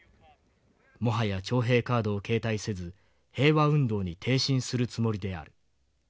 もはや徴兵カードを携帯せず平和運動に挺身するつもりである。